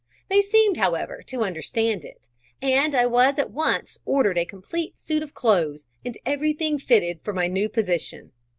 They seemed, however, to understand it, and I was at once ordered a complete suit of clothes and everything fitted for my new position.